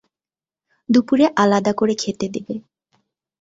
দুপুরে আলাদা করে খেতে দেবে।